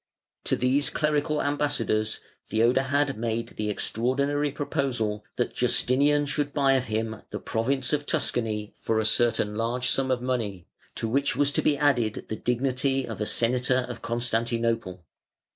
To these clerical ambassadors Theodahad made the extraordinary proposal that Justinian should buy of him the province of Tuscany for a certain large sum of money, to which was to be added the dignity of a Senator of Constantinople.